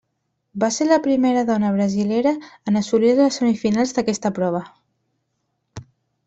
Va ser la primera dona brasilera en assolir les semifinals d'aquesta prova.